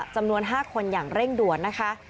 จำนวน๕คนอย่างเร่งด่วนนะคะ